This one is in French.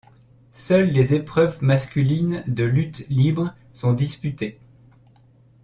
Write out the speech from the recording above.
Seules les épreuves masculines de lutte libre sont disputées.